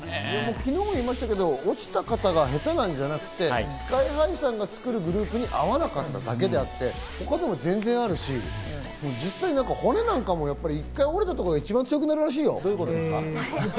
昨日も言いましたけど、落ちた方が下手なんじゃなくて、ＳＫＹ−ＨＩさんが作るグループに合わなかっただけであって、他でも全然あるし、実際、骨なんかも、１回折れたところが一番強くなるらしいよ。